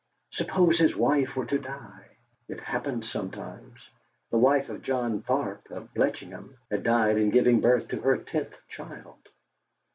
Suppose his wife were to die! It happened sometimes; the wife of John Tharp of Bletchingham had died in giving birth to her tenth child!